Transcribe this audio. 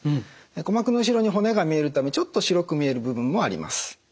鼓膜の後ろに骨が見えるためちょっと白く見える部分もあります。